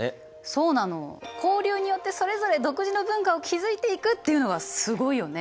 そうなの交流によってそれぞれ独自の文化を築いていくっていうのがすごいよね。